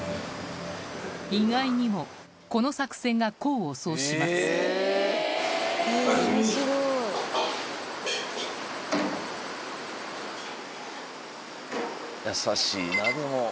意外にもこの作戦が功を奏します優しいなでも。